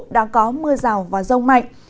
đã có mưa rào và rông mạnh